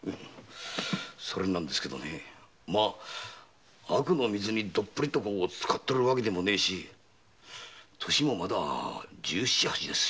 それなんですが悪の水にドップリつかってるわけでもねえし年もまだ十七八ですしね